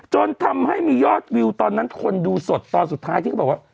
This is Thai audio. จนทำให้มียอดวิวตอนนั้นคนดูสดตอนสุดท้ายที่เขาบอกว่า